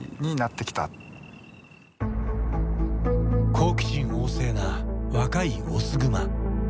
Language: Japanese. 好奇心旺盛な若いオスグマ。